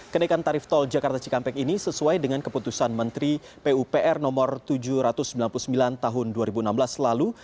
kenaikan tarif tol jakarta cikampek ini sesuai dengan keputusan menteri pupr no tujuh ratus sembilan puluh sembilan tahun dua ribu enam belas lalu